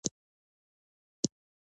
موږ باید ځان له دې خلکو خلاص کړو